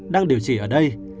đang điều trị ở đây